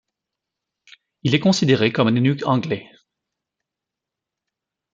Il est considéré comme un enueg anglais.